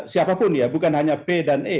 siapapun ya bukan hanya b dan e